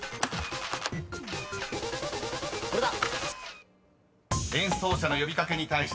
これだ！